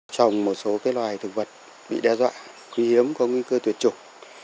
trồng một số loài thực vật bị đe dọa quý hiếm có nguy cơ tuyệt chủng